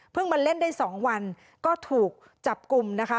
เพิ่งมาเล่นได้สองวันก็ถูกจับกลุ่มนะคะ